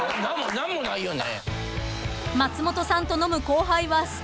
何もないよね。